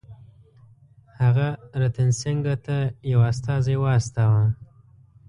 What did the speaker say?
هغه رتن سینګه ته یو استازی واستاوه.